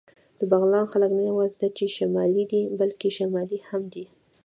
د بغلان خلک نه یواځې دا چې شمالي دي، بلکې شمالي هم دي.